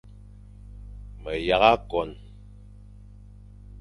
Me yagha kon,